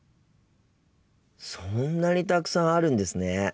そんなにたくさんあるんですね。